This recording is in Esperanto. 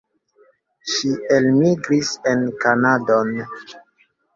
Ŝi elmigris en Kanadon.